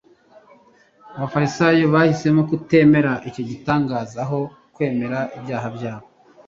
abafarisayo bahisemo kutemera icyo gitangaza aho kwemera ibyaha byabo.